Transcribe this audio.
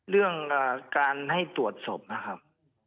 เรื่องการให้ตรวจศพนะครับ